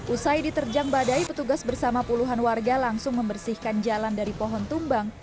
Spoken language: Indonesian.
usai diterjang badai petugas bersama puluhan warga langsung membersihkan jalan dari pohon tumbang